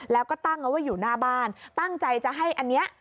แล้วก็ตั้งเอาไว้อยู่หน้าบ้านตั้งใจจะให้อันนี้